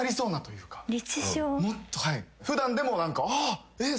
普段でも何か「あっ！」